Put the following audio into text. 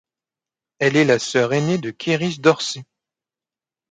Elle est la sœur aînée de Kerris Dorsey.